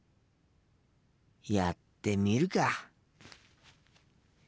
やってみるか。